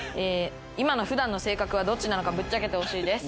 今の普段の性格はどっちなのかぶっちゃけてほしいです。